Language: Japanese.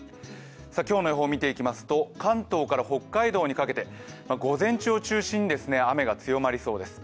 今日の予報を見ていきますと、関東から北海道にかけて午前中を中心に雨が強まりそうです。